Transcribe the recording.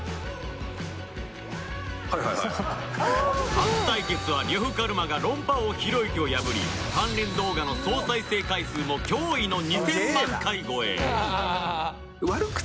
初対決は呂布カルマが論破王ひろゆきを破り関連動画の総再生回数も驚異の２０００万回超え